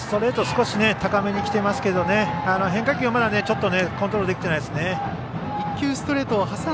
少し高めに来ていますが変化球は、まだコントロールできていないですね。